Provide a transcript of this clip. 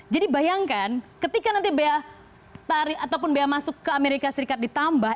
jadi bayangkan ketika nanti bea tarik ataupun bea masuk ke amerika serikat ditambah